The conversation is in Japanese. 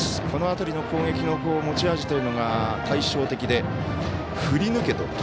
この辺りの攻撃の持ち味というのが対照的で、振り抜けと。